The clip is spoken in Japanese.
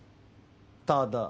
ただ。